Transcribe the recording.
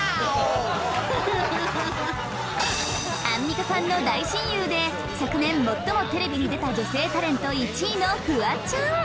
アンミカさんの大親友で昨年最もテレビに出た女性タレント１位のフワちゃん